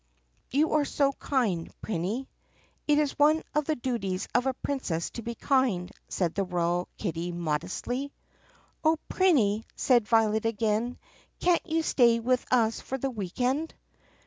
"You are so kind, Prinny." "It is one of the duties of a princess to be kind," said the royal kitty modestly. "Oh, Prinny," said Violet again, "can't you stay with us for the week end?"